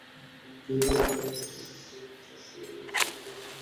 যাঁরা একেবারে পাট চাষ ছেড়ে দিয়েছিলেন, তাঁরাও স্বল্প পরিসরে পাট চাষ করছেন।